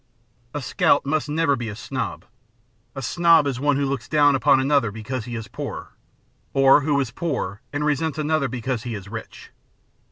A scout must never be a snob. A snob is one who looks down upon another because he is poorer, or who is poor and resents another because he is rich.